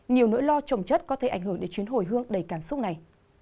nhiều nỗi lo trồng chất có thể ảnh hưởng đến chuyến hồi hương đầy cảm xúc này